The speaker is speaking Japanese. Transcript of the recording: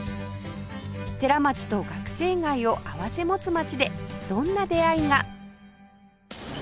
寺町と学生街を併せ持つ街でどんな出会いが？